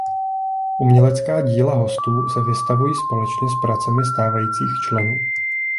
Umělecká díla hostů se vystavují společně s pracemi stávajících členů.